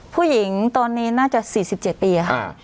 ผู้หญิงตอนนี้น่าจะ๔๗ปีค่ะ